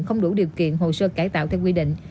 không đủ điều kiện hồ sơ cải tạo theo quy định